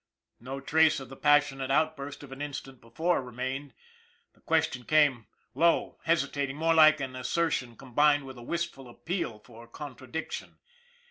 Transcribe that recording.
no trace of the passionate outburst of an instant before remained. The question came low, hesitating more like an asser tion combined with a wistful appeal for contradiction.